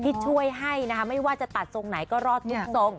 ที่ช่วยให้นะคะไม่ว่าจะตัดทรงไหนก็รอดทุกทรง